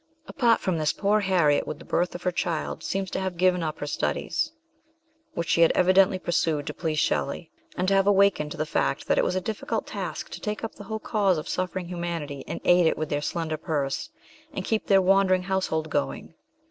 Apart from this, poor Harriet, with the birth of her child, seems to have given up her studies, which she had evidently pursued to please Shelley, and to have awakened to the fact that it was a difficult task to take up the whole cause of suffering humanity and aid it with their slender purse, and keep their wandering household going.